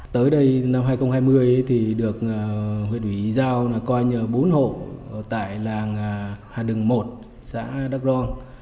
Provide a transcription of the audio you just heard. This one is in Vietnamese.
tới đây năm hai nghìn hai mươi thì được huyện ủy giao coi như bốn hộ tại làng hà đường một xã đắk ro